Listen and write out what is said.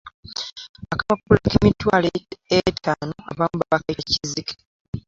Akapapula ak'emitwalo etaano abamu bakayita kizike.